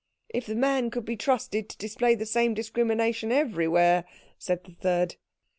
"If the man could be trusted to display the same discrimination everywhere," said the third.